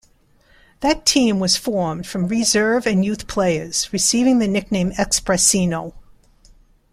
That team was formed from reserve and youth players, receiving the nickname "Expressinho".